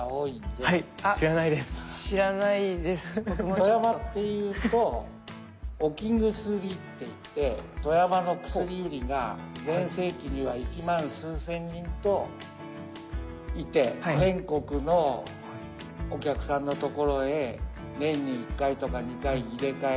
富山っていうと置き薬っていって富山の薬売りが全盛期には一万数千人といて全国のお客さんの所へ年に１回とか２回入れ替えに。